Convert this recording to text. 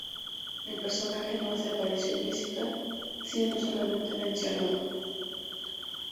El personaje no hace aparición física, siendo solamente mencionado.